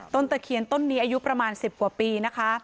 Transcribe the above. ตะเคียนต้นนี้อายุประมาณ๑๐กว่าปีนะคะ